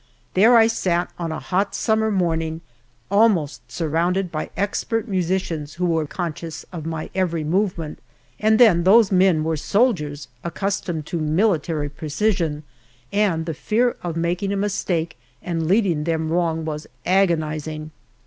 There I sat, on a hot summer morning, almost surrounded by expert musicians who were conscious of my every movement, and then, those men were soldiers accustomed to military precision, and the fear of making a mistake and leading them wrong was agonizing.